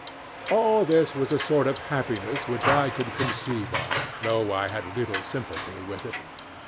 All this was a sort of happiness which I could conceive of, though I had little sympathy with it.